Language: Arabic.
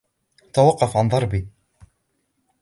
توقف عن ضربي.